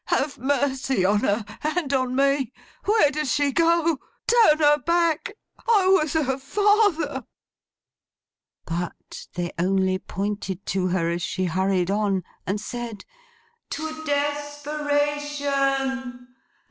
'Have mercy on her, and on me! Where does she go? Turn her back! I was her father!' But they only pointed to her, as she hurried on; and said, 'To desperation!